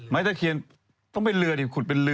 ตะเคียนต้องเป็นเรือดิขุดเป็นเรือ